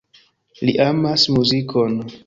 Li amas muzikon.